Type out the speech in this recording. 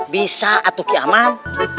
bisa atuk yaman